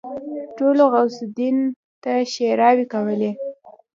ټولو غوث الدين ته ښېراوې کولې.